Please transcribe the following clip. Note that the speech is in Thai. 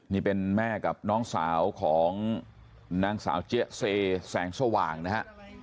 นี่เป็นแม่กับน้องสาวของนางสาวเจี๊ยเซแสงสว่างนะฮะ